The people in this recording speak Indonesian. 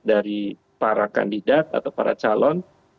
dari para kandidat atau para calon